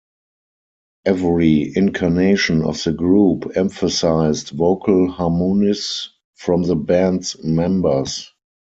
Every incarnation of the group emphasized vocal harmonies from the band's members.